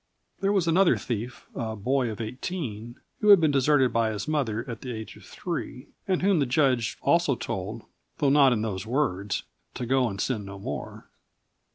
There was another thief, a boy of eighteen, who had been deserted by his mother at the age of three, and whom the judge also told, though not in those words, to go and sin no more.